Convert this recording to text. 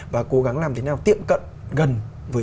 và cố gắng làm thế nào tiệm cận gần với những người